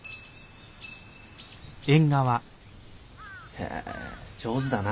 へえ上手だな。